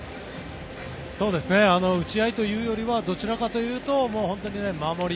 打ち合いというよりはどちらかというと本当に守り。